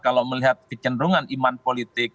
kalau melihat kecenderungan iman politik